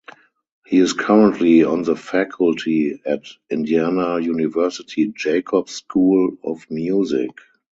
He is currently on the faculty at Indiana University Jacobs School of Music.